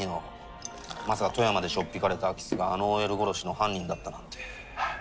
まさか富山でしょっ引かれた空き巣があのＯＬ殺しの犯人だったなんて。